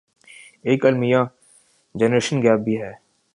ایک المیہ generation gap بھی ہے